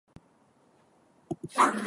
De què forma part la seva història?